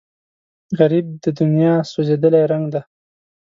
غریب د دنیا سوځېدلی رنګ دی